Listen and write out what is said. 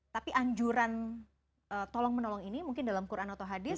tapi anjuran tolong menolong ini mungkin dalam quran atau hadis